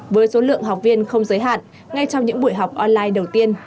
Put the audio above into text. với số lượng học viên không giới hạn ngay trong những buổi học online đầu tiên